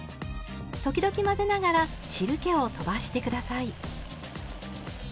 時々混ぜながら汁けをとばして下さい。